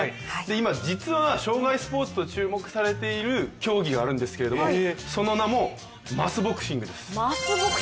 今、生涯スポーツと注目されてるスポーツがあるんですけどその名もマスボクシングです。